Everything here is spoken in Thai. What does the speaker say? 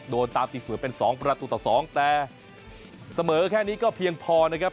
โดนตามตีเสมอเป็น๒ประตูต่อ๒แต่เสมอแค่นี้ก็เพียงพอนะครับ